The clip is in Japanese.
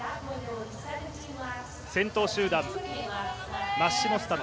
先頭集団、マッシモ・スタノ。